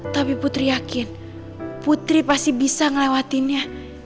tapi putri yakin putri pasti bisa ngelewatinnya